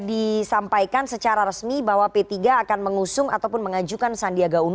disampaikan secara resmi bahwa p tiga akan mengusung ataupun mengajukan sandiwanya dan juga mengajukan